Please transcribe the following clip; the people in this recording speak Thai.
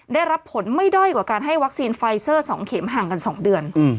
ได้รับผลไม่ด้อยกว่าการให้วัคซีนไฟเซอร์๒เข็มห่างกัน๒เดือน